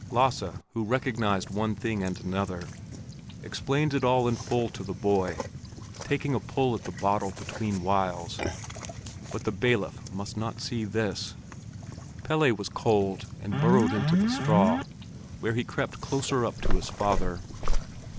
Lasse, who recognized one thing and another, explained it all in full to the boy, taking a pull at the bottle between whiles; but the bailiff must not see this. Pelle was cold and burrowed into the straw, where he crept close up to his father.